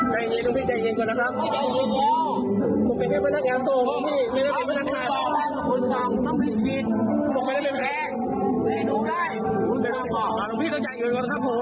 พี่ต้องจ่ายเงินก่อนครับผมจ่ายเงินได้หรือไม่ครับผมขอขออยู่ในใกล้